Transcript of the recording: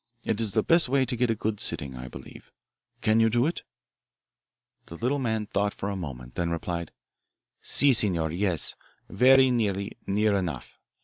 It is the best way to get a good sitting, I believe. Can you do it?" The little man thought a moment, then replied: "Si, signor yes very nearly, near enough.